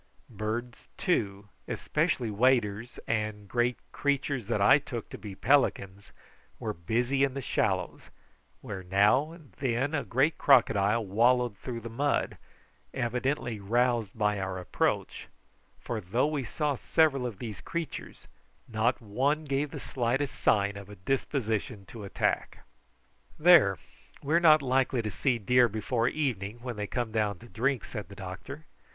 Birds, too, especially waders and great creatures that I took to be pelicans, were busy in the shallows, where now and then a great crocodile wallowed through the mud, evidently roused by our approach, for though we saw several of these creatures, not one gave the slightest sign of a disposition to attack. "There, we are not likely to see deer before evening when they come down to drink," said the doctor.